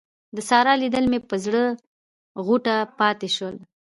د سارا لیدل مې پر زړه غوټه پاته شول.